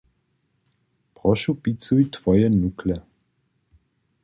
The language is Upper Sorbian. Prošu picuj twoje nukle.